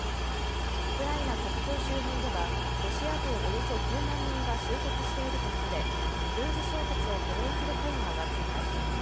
ウクライナ国境周辺では、ロシア軍およそ９万人が集結しているとみられ、軍事衝突を懸念する声が上がっています。